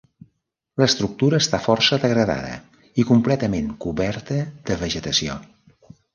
L'estructura està força degradada i completament coberta de vegetació.